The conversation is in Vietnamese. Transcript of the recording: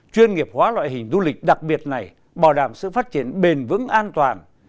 chuyên nghiệp hóa loại hình du lịch đặc biệt này bảo đảm sự phát triển bền vững an toàn